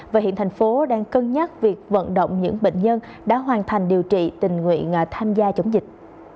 và hiện thành phố đang cân nhắc việc vận động những bệnh nhân đã hoàn thành điều trị tình nguyện tham gia chống dịch